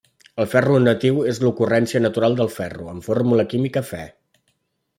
El ferro natiu és l'ocurrència natural del ferro, amb fórmula química Fe.